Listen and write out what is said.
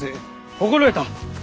心得た！